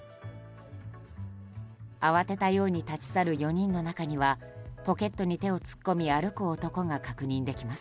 慌てたように立ち去る４人の中にはポケットに手を突っ込み歩く男が確認できます。